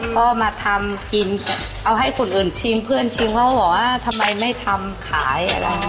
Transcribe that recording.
ก็มาทำกินเอาให้คนอื่นชิมเพื่อนชิมเขาก็บอกว่าทำไมไม่ทำขายอะไรอย่างนี้